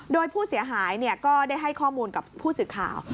โดยผู้เสียหายก็ได้ให้ข้อมูลกับผู้สื่อข่าว